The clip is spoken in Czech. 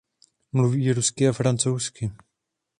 Mluví rusky a francouzsky.